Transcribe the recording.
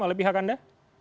atau pihak anda